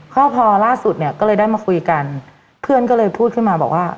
ก็พอล่าสุดเนี่ยก็เลยได้มาคุยกันเพื่อนก็เลยพูดขึ้นมาบอกว่า